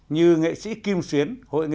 như nghệ sĩ kim xuyến